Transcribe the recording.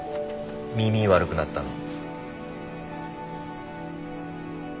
耳悪くなったの。